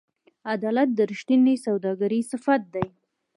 عدالت د رښتیني سوداګر صفت دی.